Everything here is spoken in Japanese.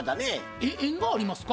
えっ縁がありますか？